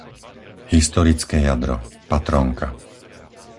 Historické jadro, Patrónka